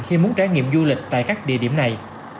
khi muốn trải nghiệm du lịch tại các địa điểm này